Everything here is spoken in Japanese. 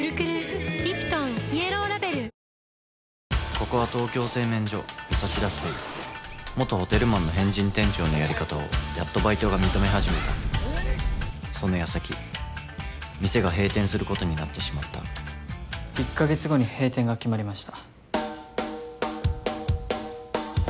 ここはトーキョー製麺所武蔵田支店元ホテルマンの変人店長のやり方をやっとバイトが認めはじめたそのやさき店が閉店することになってしまった１か月後に閉店が決まりました。